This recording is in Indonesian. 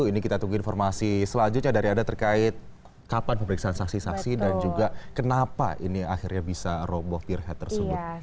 ini kita tunggu informasi selanjutnya dari anda terkait kapan pemeriksaan saksi saksi dan juga kenapa ini akhirnya bisa roboh pierhead tersebut